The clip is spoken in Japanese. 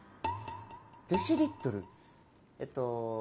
デシリットル？えっと。